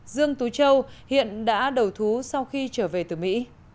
dương tú châu hiện đã đầu thú sau khi trở về từ mỹ